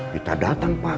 kita datang pakai